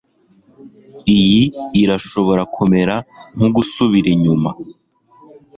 iyi irashobora kumera nkugusubira inyuma